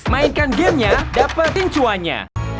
mainkan gamenya dapat pincuannya